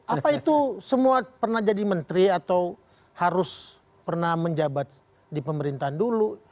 apa itu semua pernah jadi menteri atau harus pernah menjabat di pemerintahan dulu